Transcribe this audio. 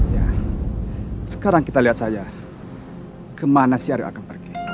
ya sekarang kita lihat saja kemana syariah akan pergi